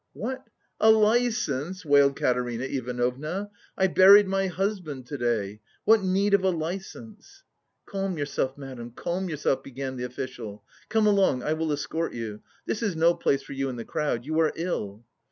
"What, a license?" wailed Katerina Ivanovna. "I buried my husband to day. What need of a license?" "Calm yourself, madam, calm yourself," began the official. "Come along; I will escort you.... This is no place for you in the crowd. You are ill."